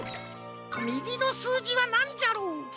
みぎのすうじはなんじゃろう？